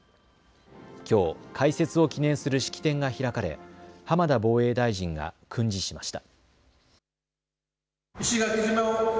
きょう開設を記念する式典が開かれ浜田防衛大臣が訓示しました。